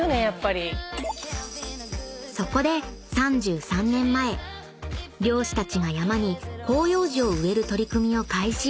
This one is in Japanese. ［そこで３３年前漁師たちが山に広葉樹を植える取り組みを開始］